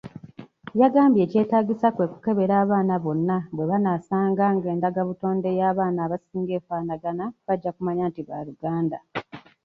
Yagambye ekyetaagisa kwe kukebera abaana bonna bwe banaasanga ng'endagabutonde y'abaana abasinga efaanagana bajja kumanya nti baaluganda.